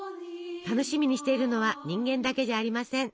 楽しみにしているのは人間だけじゃありません。